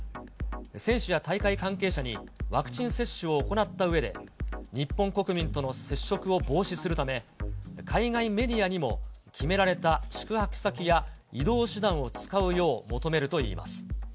選手や大会関係者にワクチン接種を行ったうえで、日本国民との接触を防止するため、海外メディアにも決められた宿泊先や、移動手段を使うよう求めるといいます。